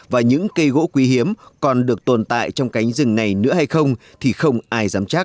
và những cây gỗ quý hiếm còn được tồn tại trong cánh rừng này nữa hay không thì không ai dám chắc